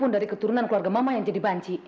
dari keturunan keluarga mama yang jadi banci